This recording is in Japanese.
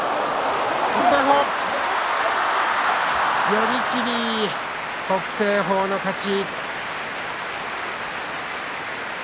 寄り切り北青鵬の勝ちです。